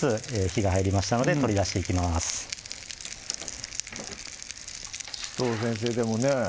紫藤先生でもね